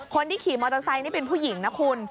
คนที่ขี่มอเตอร์ไซค์นี่เป็นผู้หญิงนะคุณ